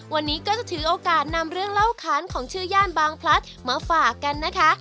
วันนี้ก็จะถือโอกาสนำเรื่องเล่าค้านของชื่อย่านบางพลัดมาฝากกันนะคะ